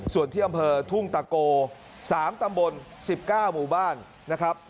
ส่วนที่อำเภอทุ่งตะโก๓ตำบล๑๙หมู่บ้านนะครับ